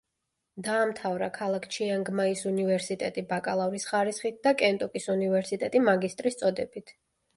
დაამთავრა ქალაქ ჩიანგმაის უნივერსიტეტი ბაკალავრის ხარისხით და კენტუკის უნივერსიტეტი მაგისტრის წოდებით.